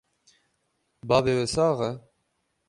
Bavê wê sax e?